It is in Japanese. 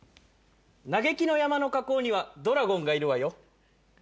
嘆きの山の火口にはドラゴンがいるわよ。